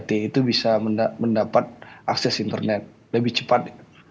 t itu bisa mendapat akses internet lebih cepat